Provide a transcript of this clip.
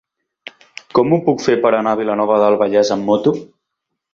Com ho puc fer per anar a Vilanova del Vallès amb moto?